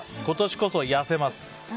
今年こそ痩せます。